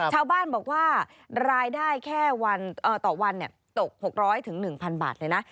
ชาวบ้านบอกว่ารายได้แค่วันต่อวันตก๖๐๐๑๐๐บาทเลยนะ